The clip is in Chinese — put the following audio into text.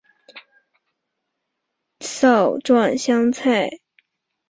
帚状香茶菜为唇形科香茶菜属下的一个种。